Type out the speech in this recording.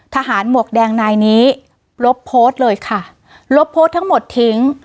หมวกแดงนายนี้ลบโพสต์เลยค่ะลบโพสต์ทั้งหมดทิ้ง